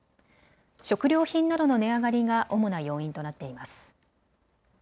食料品などの値上がりが主な要因となっています。